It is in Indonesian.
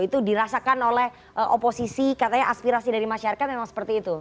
itu dirasakan oleh oposisi katanya aspirasi dari masyarakat memang seperti itu